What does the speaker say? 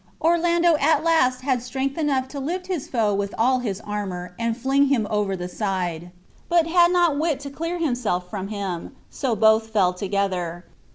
Orlando at last had strength enough to lift his foe with all his armor, and fling him over the side, but had not wit to clear himself from him, so both fell together.